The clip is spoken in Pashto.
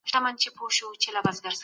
انسان څنګه خپل شخصیت جوړوي؟